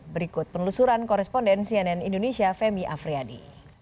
berikut penelusuran koresponden cnn indonesia femi afriyadi